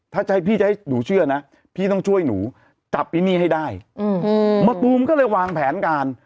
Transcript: ที่นี่ให้ได้มะตูมก็เลยวางแผนการ